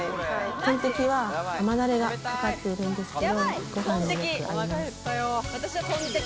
トンテキは甘だれがかかっているんですけど。